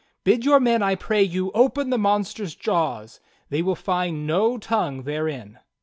Bid your men, I pray you, open the monster's jaws. They will find no tongue therein."